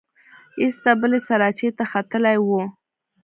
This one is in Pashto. ایسته بلې سراچې ته ختلې وه.